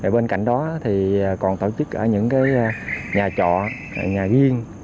bên cạnh đó thì còn tổ chức ở những nhà trọ nhà viên